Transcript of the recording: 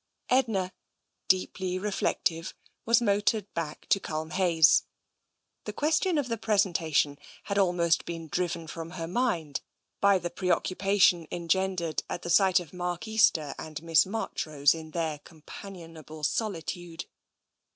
Edna, deeply reflective, was motored back to Culm hayes. The question of the presentation had almost been driven from her mind by the preoccupation en gendered at the sight of Mark Easter and Miss March rose in their companionable solitude.